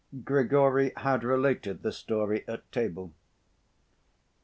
Grigory had related the story at table.